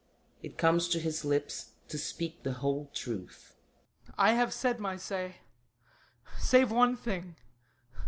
It comes to his lips to speak the whole truth_.] I have said my say; save one thing...